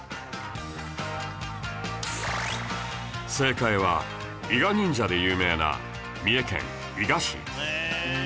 正解は伊賀忍者で有名な三重県伊賀市